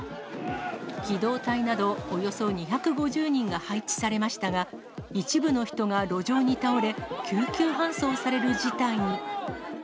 機動隊などおよそ２５０人が配置されましたが、一部の人が路上に倒れ、救急搬送される事態に。